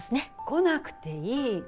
来なくていい。